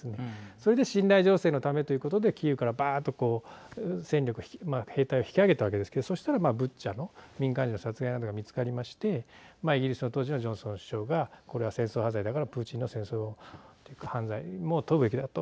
それで信頼醸成のためということでキーウから戦力兵隊を引き上げたわけですけどそしたらブチャの民間人の殺害などが見つかりましてイギリスの当時のジョンソン首相がこれは戦争犯罪だからプーチンの戦争というか、犯罪も問うべきだと。